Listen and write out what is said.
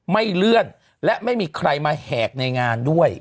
ไม่เลื่อนและไม่มีใครมาแหกในงานด้วย